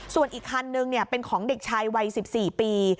ส่วนอีกคันนึงเป็นของเด็กชายวัย๑๔ปี